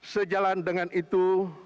sejalan dengan itu